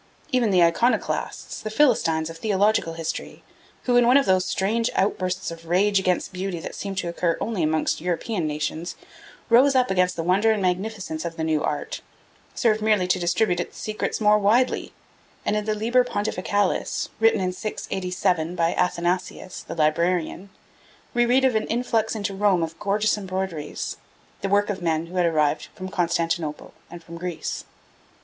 Even the Iconoclasts, the Philistines of theological history, who, in one of those strange outbursts of rage against Beauty that seem to occur only amongst European nations, rose up against the wonder and magnificence of the new art, served merely to distribute its secrets more widely; and in the Liber Pontificalis, written in 687 by Athanasius, the librarian, we read of an influx into Rome of gorgeous embroideries, the work of men who had arrived from Constantinople and from Greece.